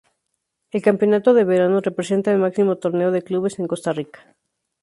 El campeonato de Verano representa el máximo torneo de clubes en Costa Rica.